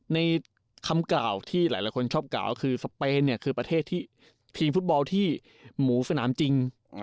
ในคำกล่าวที่หลายคนชอบกล่าวก็คือสเปนเนี่ยคือประเทศที่ทีมฟุตบอลที่หมูสนามจริง